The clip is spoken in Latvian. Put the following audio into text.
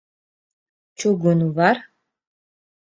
Čugunu var?